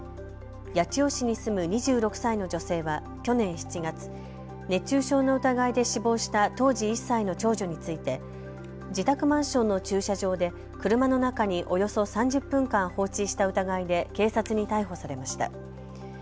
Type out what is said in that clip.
八千代市に住む２６歳の女性は去年７月、熱中症の疑いで死亡した当時１歳の長女について自宅マンションの駐車場で車の中におよそ３０分間放置した疑いで警察に逮捕されました。